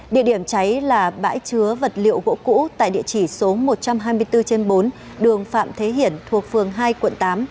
địa điểm cháy là bãi chứa vật liệu gỗ cũ tại địa chỉ số một trăm hai mươi bốn trên bốn đường phạm thế hiển thuộc phường hai quận tám